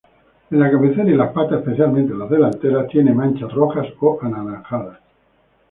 En la cabeza y las patas, especialmente las delanteras, tiene manchas rojas o anaranjadas.